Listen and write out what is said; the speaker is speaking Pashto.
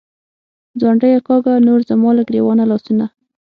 “ځونډیه”کاږه نور زما له ګرېوانه لاسونه